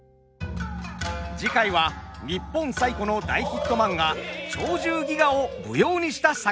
次回は日本最古の大ヒットマンガ「鳥獣戯画」を舞踊にした作品です。